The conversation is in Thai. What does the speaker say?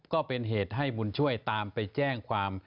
ก็เป็นเหตุให้บุญช่วยตามไปแจ้งความ